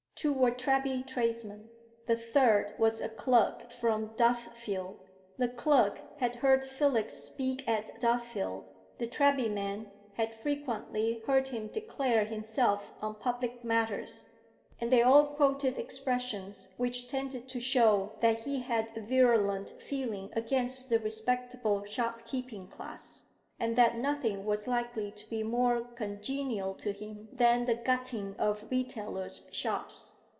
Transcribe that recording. Two were Treby tradesmen, the third was a clerk from Duffield. The clerk had heard Felix speak at Duffield; the Treby men had frequently heard him declare himself on public matters; and they all quoted expressions which tended to show that he had a virulent feeling against the respectable shopkeeping class, and that nothing was likely to be more congenial to him than the gutting of retailer's shops.